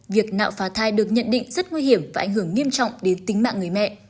việc nạo phá thai được nhận định rất nguy hiểm và ảnh hưởng nghiêm trọng đến tính mạng người mẹ